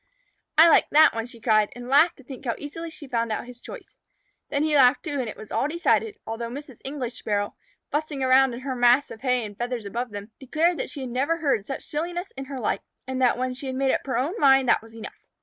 "I like that one," she cried, and laughed to think how easily she had found out his choice. Then he laughed, too, and it was all decided, although Mrs. English Sparrow, fussing around in her mass of hay and feathers above them, declared that she never heard such silliness in her life, and that when she had made up her own mind that was enough.